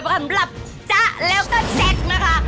สำหรับจ๊ะแล้วก็แซ็กนะคะ